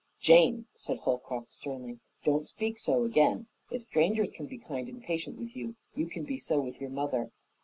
"Jane," said Holcroft sternly, "don't speak so again. If strangers can be kind and patient with you, you can be so with your mother.